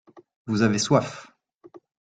Vous avez soif.